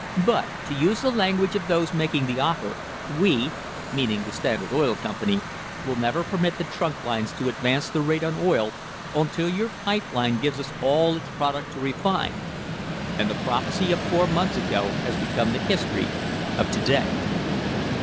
But, to use the language of those making the offer, 'we' (meaning the Standard Oil Company) 'will never permit the trunk lines to advance the rate on oil until your pipe line gives us all its product to refine,' and the prophesy of four months ago has become the history of to day."